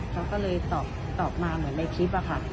เขาก็เลยตอบมาเหมือนในคลิปอะค่ะ